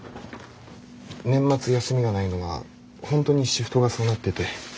年末休みがないのは本当にシフトがそうなってて。